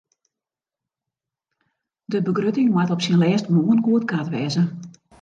De begrutting moat op syn lêst moarn goedkard wêze.